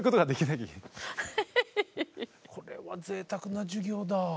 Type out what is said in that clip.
これはぜいたくな授業だ。